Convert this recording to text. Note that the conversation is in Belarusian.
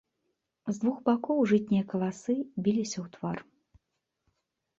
З двух бакоў жытнія каласы біліся ў твар.